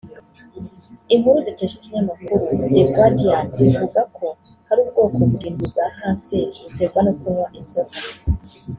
Inkuru dukesha ikinyamakuru ‘The Guardian’ ivuga ko hari ubwoko burindwi bwa kanseri buterwa no kunywa inzoga